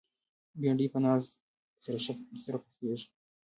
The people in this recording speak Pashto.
بېنډۍ په ناز سره پخېږي